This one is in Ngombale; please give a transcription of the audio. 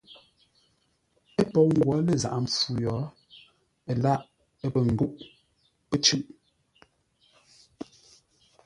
Ə́ pou ngwǒ lə́ zaghʼə mpfu yo, ə lâʼ pə̂ ngúʼ; pə́ cʉ̂ʼ.